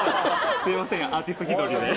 すみませんアーティスト気取りで。